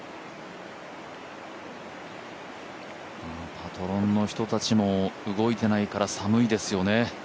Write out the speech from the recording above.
パトロンの人たちも動いてないから寒いですよね。